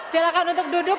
silakan untuk duduk